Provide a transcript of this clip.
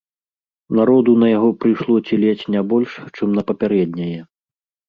Народу на яго прыйшло ці ледзь не больш, чым на папярэдняе.